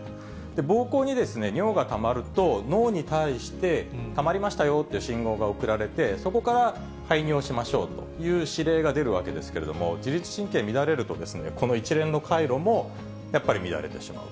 ぼうこうに尿がたまると、脳に対してたまりましたよっていう信号が送られて、そこから排尿しましょうという指令が出るわけですけれども、自律神経乱れると、この一連の回路もやっぱり乱れてしまうと。